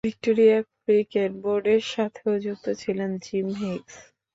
Victoria cricket বোর্ডের সাথেও যুক্ত ছিলেন জিম হিগস।